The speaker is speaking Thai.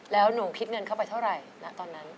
แล้วหนูคิดเงินเข้าไปเท่าไหร่นะตอนนั้น